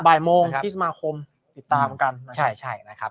บ่ายโมงที่สมาคมติดตามกันใช่ใช่นะครับ